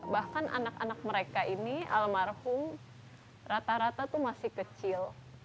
bahkan anak anak mereka ini almarhum rata rata tuh masih kecil